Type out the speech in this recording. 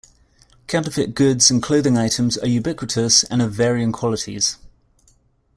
Counterfeit goods and clothing items are ubiquitous and of varying qualities.